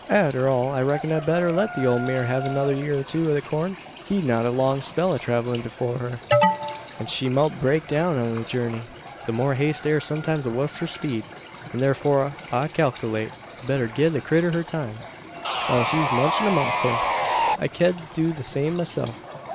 "Arter all, I reck'n I'd better let the ole maar hev another yeer or two o' the corn. She's got a long spell o' travellin' afore her; an she mout break down on the jurney. The more haste air sometimes the wusser speed; an thurfor, I kalkerlate, I'd better gie the critter her time. While she's munchin' a mouthful, I ked do the same myself.